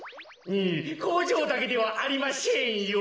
こうじょうだけではありまシェンよ。